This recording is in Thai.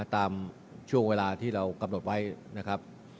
ตามช่วงเวลาที่เรากำหนดไว้นะครับ